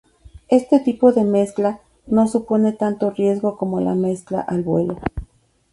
Este tipo de mezcla no supone tanto riesgo como la mezcla al vuelo.